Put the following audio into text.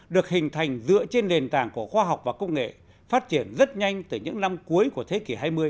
được hình thành dựa trên nền tảng của khoa học và công nghệ phát triển rất nhanh từ những năm cuối của thế kỷ hai mươi